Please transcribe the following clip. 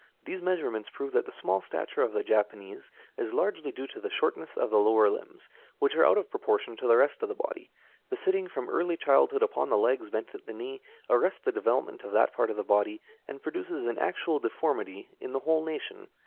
These measurements prove that the small stature of the Japanese is due largely to the shortness of the lower limbs, which are out of proportion to the rest of the body. The sitting from early childhood upon the legs bent at the knee, arrests the development of that part of the body, and produces an actual deformity in the whole nation.